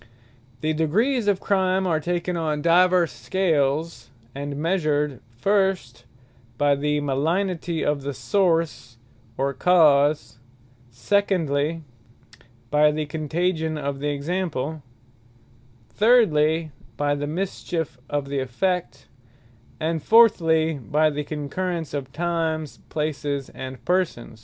The Degrees of Crime are taken on divers Scales, and measured, First, by the malignity of the Source, or Cause: Secondly, by the contagion of the Example: Thirdly, by the mischiefe of the Effect; and Fourthly, by the concurrence of Times, Places, and Persons.